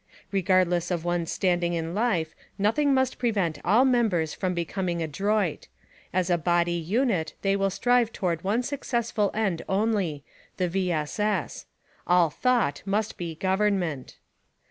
Regardless of one's standing in life nothing must prevent all members from becoming adroit: As a body unit they will strive toward one successful end only— the V. S. S." All thought must be Government.